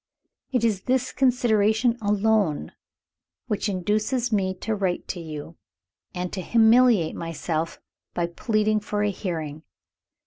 It is this consideration alone which induces me to write to you, and to humiliate myself by pleading for a hearing.